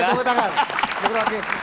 oke tepuk tangan